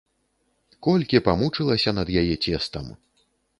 Колькі памучылася над яе цестам!